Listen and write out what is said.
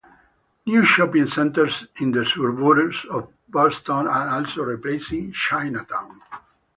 New shopping centers in the suburbs of Boston are also replacing Chinatown.